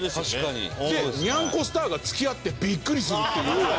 にゃんこスターが付き合ってビックリするっていう。